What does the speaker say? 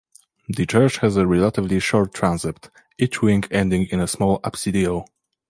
The church has a relatively short transept, each wing ending in a small apsidiole.